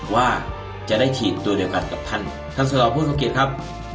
ว่าจะได้ฉีดตัวเดียวกันกับท่านท่านสนอผู้ทรงเกียจครับ